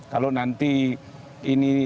kalau nanti ini